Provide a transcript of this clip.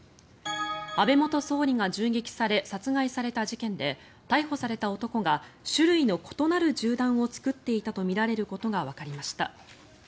安倍元総理が銃撃され殺害された事件で逮捕された男が種類の異なる銃弾を作っていたとみられることがわかりました。